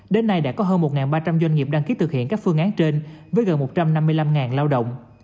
đến nay đã có hơn một ba trăm linh doanh nghiệp đăng ký thực hiện các phương án trên với gần một trăm năm mươi năm lao động